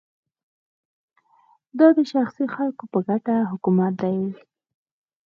دا د شخصي خلکو په ګټه حکومت دی